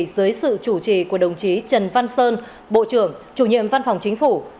dưới sự chủ trì của đồng chí trần văn sơn bộ trưởng chủ nhiệm văn phòng chính phủ